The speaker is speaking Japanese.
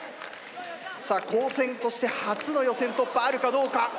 さあ高専として初の予選突破あるかどうか？